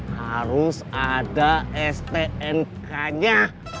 harus ada stnk nya